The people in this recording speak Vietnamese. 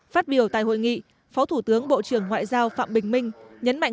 phát biểu tại hội nghị phó thủ tướng bộ trưởng ngoại giao phạm bình minh nhấn mạnh